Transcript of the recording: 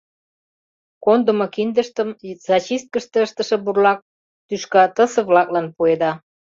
Кондымо киндыштым зачисткыште ыштыше бурлак тӱшка тысе-влаклан пуэда.